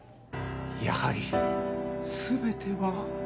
やはり全ては。